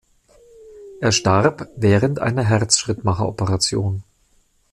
Er starb während einer Herzschrittmacher-Operation.